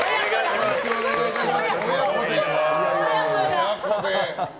よろしくお願いします。